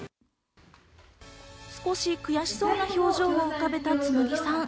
少し悔しそうな表情を浮かべた紬記さん。